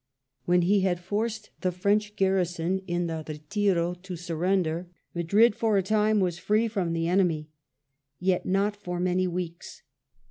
When he had forced the French garrison in the Betiro to surrender, Madrid for a time was free from the enemy. Yet not for many weeks.